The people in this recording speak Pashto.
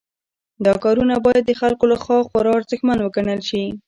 دا کارونه باید د خلکو لخوا خورا ارزښتمن وګڼل شي.